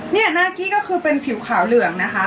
นี่หน้ากี้ก็คือเป็นผิวขาวเหลืองนะคะ